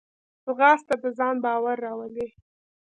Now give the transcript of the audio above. ځغاسته د ځان باور راولي